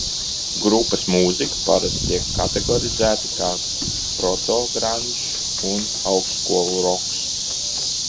"Grupas mūzika parasti tiek kategorizēta kā "protograndžs" un "augstskolu roks"."